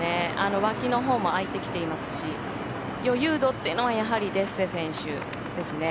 脇のほうもあいてきていますし余裕度というのはやはりデッセ選手ですね。